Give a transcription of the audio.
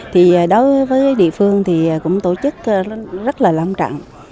thì đối với địa phương thì cũng tổ chức rất là lâm trận